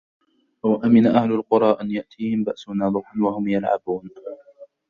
أوأمن أهل القرى أن يأتيهم بأسنا ضحى وهم يلعبون